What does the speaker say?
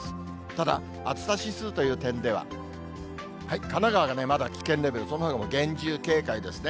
ただ、暑さ指数という点では、神奈川がまだ危険レベル、そのほかも厳重警戒ですね。